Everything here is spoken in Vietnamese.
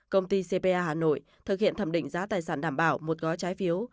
công ty cpa hà nội thực hiện thẩm định giá tài sản đảm bảo một gói trái phiếu